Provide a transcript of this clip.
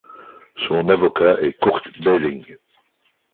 Son avocat est Kurt Behling.